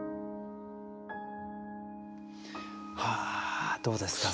はあどうですか？